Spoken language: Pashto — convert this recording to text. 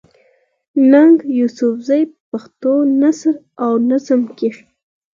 ننګ يوسفزۍ په پښتو نثر او نظم کښې